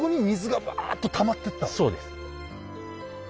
そうです。